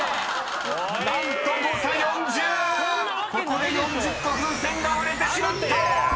［ここで４０個風船が割れてしまった！］